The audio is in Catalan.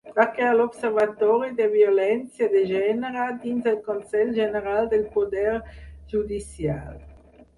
Va crear l'Observatori de Violència de Gènere dins el Consell General del Poder Judicial.